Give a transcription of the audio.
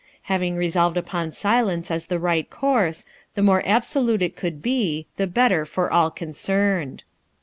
Having resolved upon silence as the right course, the more absolute it could be, the better for all concerned.